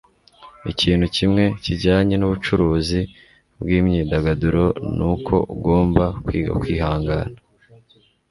ikintu kimwe kijyanye n'ubucuruzi bw'imyidagaduro ni uko ugomba kwiga kwihangana. - kevin hart